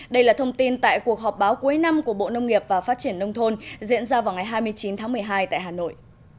đây là thông tin tại cuộc họp báo cuối năm của bộ nông nghiệp và phát triển nông thôn diễn ra vào ngày hai mươi chín tháng một mươi hai tại hà nội